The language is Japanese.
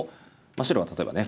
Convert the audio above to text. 白は例えばね